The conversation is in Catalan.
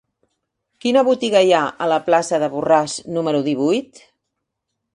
Quina botiga hi ha a la plaça de Borràs número divuit?